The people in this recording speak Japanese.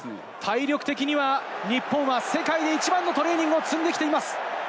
体力的には世界で一番のトレーニングを積んできています。